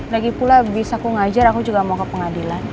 lagipula bisa aku ngajar aku juga mau ke pengadilan